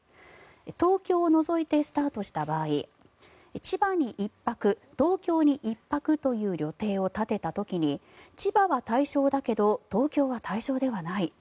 東京を除いてスタートした場合千葉に１泊、東京に１泊という旅程を立てた時に千葉は対象だけど東京は対象ではない。